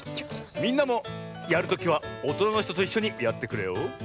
みんなもやるときはおとなのひとといっしょにやってくれよ。